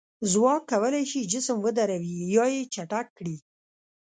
ځواک کولی شي جسم ودروي یا یې چټک کړي.